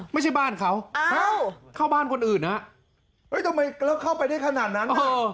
ไม่ใช่บ้านเขาเข้าบ้านคนอื่นฮะทำไมแล้วเข้าไปได้ขนาดนั้น